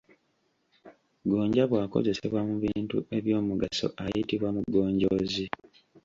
Gonja bw’akozesebwa mu bintu eby’omugaso ayitibwa Mugonjoozi.